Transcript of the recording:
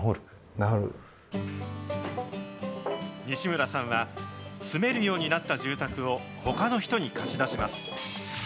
西村さんは住めるようになった住宅をほかの人に貸し出します。